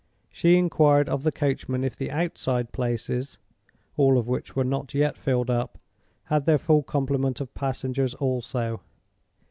She inquired of the coachman if the outside places (all of which were not yet filled up) had their full complement of passengers also.